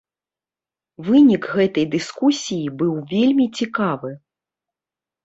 Вынік гэтай дыскусіі быў вельмі цікавы.